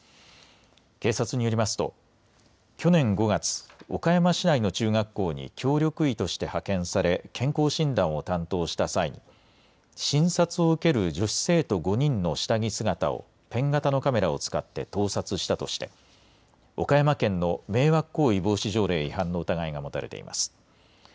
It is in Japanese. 警察によりますと去年５月、岡山市内の中学校に協力医として派遣され健康診断を担当した際に診察を受ける女子生徒５人の下着姿をペン型のカメラを使って盗撮したとして岡山県の迷惑行為防止条例違反の疑いが持たれています。